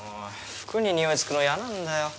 服ににおいつくの嫌なんだよ